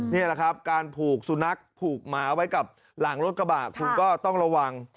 นี่แหละครับการผูกสุนัขผูกหมาไว้กับหลังรถกระบะคุณก็ต้องระวัง